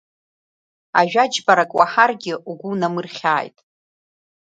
Ажәа џьбарак уаҳаргьы, угәы унамырхьааит.